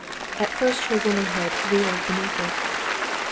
At first her womanhood reeled beneath it.